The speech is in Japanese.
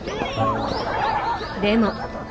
でも。